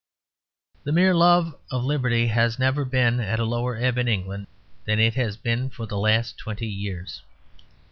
The mere love of liberty has never been at a lower ebb in England than it has been for the last twenty years.